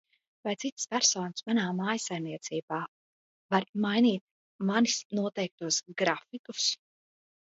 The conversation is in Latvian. Vai citas personas manā mājsaimniecībā var mainīt manis noteiktos grafikus?